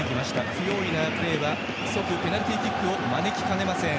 不用意なプレーは即ペナルティーキックを招きかねません。